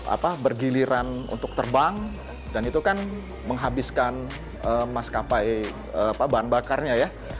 apa bergiliran untuk terbang dan itu kan menghabiskan maskapai bahan bakarnya ya